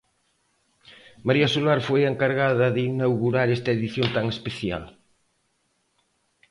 María Solar foi a encargada de inaugurar esta edición tan especial.